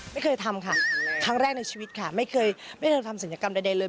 ไม่เคยทำค่ะครั้งแรกในชีวิตค่ะไม่เคยไม่เคยทำศัลยกรรมใดเลย